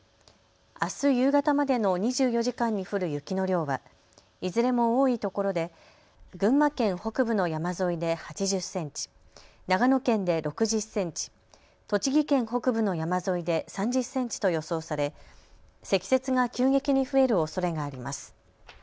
あす夕方までの２４時間に降る雪の量はいずれも多いところで群馬県北部の山沿いで８０センチ、長野県で６０センチ、栃木県北部の山沿いで３０センチと予想され積雪が急激に増えるおそれがあります。